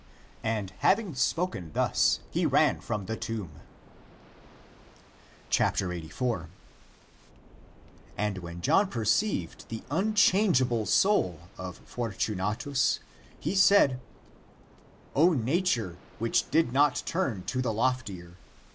And having spoken thus he ran from the tomb. 84. And when John perceived the unchangeable soul of Fortunatus, he said, " O nature, which did not turn to the loftier!